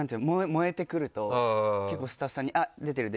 燃えてくると結構スタッフさんに。